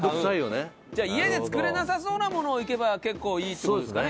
じゃあ家で作れなさそうなものをいけば結構いいって事ですか？